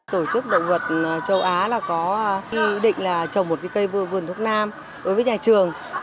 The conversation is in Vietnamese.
tổ chức động vật châu á có ý định trồng một cây vườn thuốc nam với nhà trường